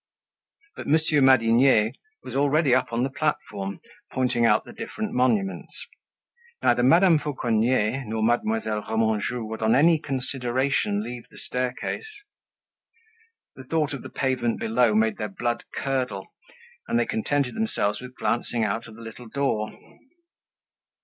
But Monsieur Madinier was already up on the platform, pointing out the different monuments. Neither Madame Fauconnier nor Mademoiselle Remanjou would on any consideration leave the staircase. The thought of the pavement below made their blood curdle, and they contented themselves with glancing out of the little door.